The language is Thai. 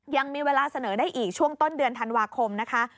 ยังมีเวลาเสนอได้อีกช่วงต้นเดือนธันวาคมนะคะ